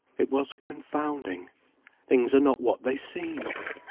It was confounding. Things are not what they seem!